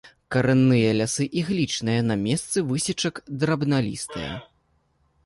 Карэнныя лясы іглічныя, на месцы высечак драбналістыя.